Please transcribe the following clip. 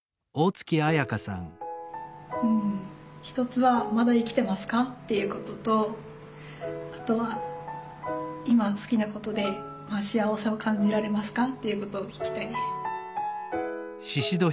一つは「まだ生きてますか？」っていうこととあとは「今好きなことで幸せを感じられますか？」っていうことを聞きたいです。